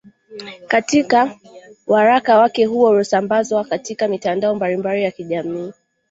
Katika waraka wake huo uliosambazwa katika mitandao mbalimbali ya kijamii